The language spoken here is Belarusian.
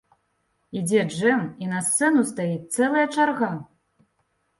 Ідзе джэм, і на сцэну стаіць цэлая чарга!